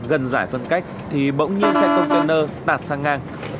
gần giải phân cách thì bỗng lên xe container tạt sang ngang